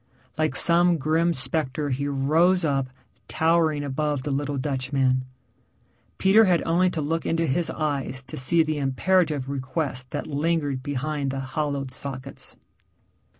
Like some grim spectre he rose up, towering above the little Dutchman. Peter had only to look into his eyes to see the imperative request that lingered behind the hollowed sockets.